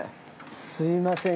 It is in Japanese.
すいません。